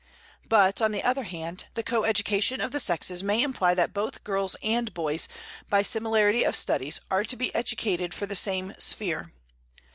But, on the other hand, the co education of the sexes may imply that both girls and boys, by similarity of studies, are to be educated for the same sphere.